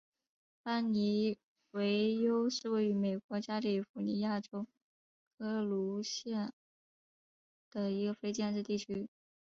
邦妮维尤是位于美国加利福尼亚州科卢萨县的一个非建制地区。